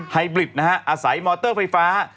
ให้บริดนะฮะอาศัยมอเตอร์ไฟฟ้า